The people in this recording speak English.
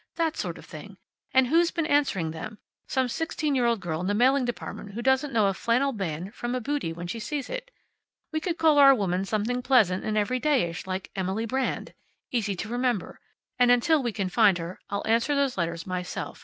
That sort of thing. And who's been answering them? Some sixteen year old girl in the mailing department who doesn't know a flannel band from a bootee when she sees it. We could call our woman something pleasant and everydayish, like Emily Brand. Easy to remember. And until we can find her, I'll answer those letters myself.